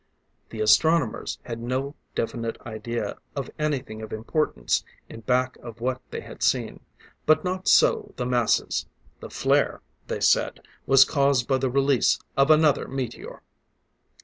The astronomers had no definite idea of anything of importance in back of what they had seen; but not so the masses. The flare, they said, was caused by the release of another meteor!